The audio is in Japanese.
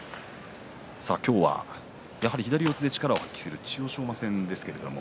今日は左四つで力を発揮する千代翔馬戦です。